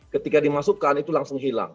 ketika dimasukkan itu langsung hilang